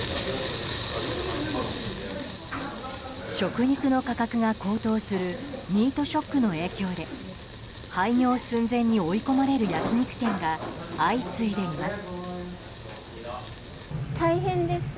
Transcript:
食肉の価格が高騰するミートショックの影響で廃業寸前に追い込まれる焼き肉店が相次いでいます。